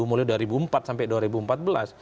mulai dua ribu empat sampai dua ribu empat belas